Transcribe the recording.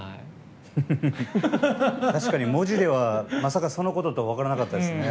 確かに、文字ではまさか、そのこととは分からなかったですね。